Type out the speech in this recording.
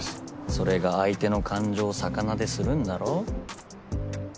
それが相手の感情を逆なでするんだろ。